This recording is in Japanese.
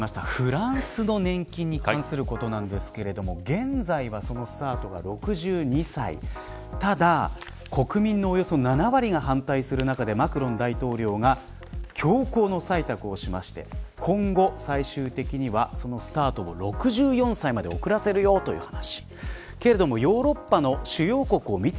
フランスの年金に関することなんですが現在はそのスタートが６２歳ただ、国民のおよそ７割が反対する中でマクロン大統領が強行の採択をしまして今後、最終的にはそのスタートを６４歳まで遅らせるよという話。